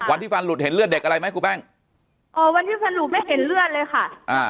ฟันหลุดเห็นเลือดเด็กอะไรไหมครูแป้งอ๋อวันที่สรุปไม่เห็นเลือดเลยค่ะอ่า